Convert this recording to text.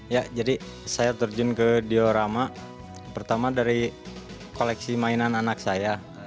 ya jadi saya terjun ke diorama pertama dari koleksi mainan anak saya